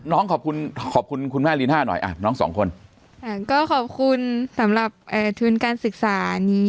น้องขอบคุณขอบคุณคุณแม่รีน่าหน่อยน้อง๒คนก็ขอบคุณสำหรับทุนการศึกษานี้